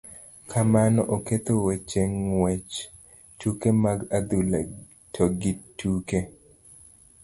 Kamano oketho weche ng'uech, tuke mag adhula to gi tuke